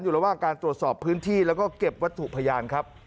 ระหว่างการตรวจสอบพื้นที่แล้วก็เก็บวัตถุพยานครับ